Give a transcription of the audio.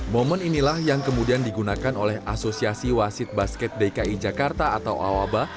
momen inilah yang kemudian digunakan oleh asosiasi wasit basket dki jakarta atau awaba